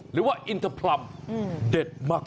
หรือว่าอินทรพลัมเด็ดมาก